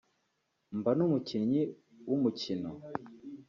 mba n’umukinnyi w’umukino